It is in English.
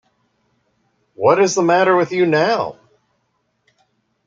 What is the matter with you now?